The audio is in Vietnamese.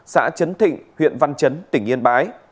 xã chấn thịnh huyện văn chấn tỉnh yên bái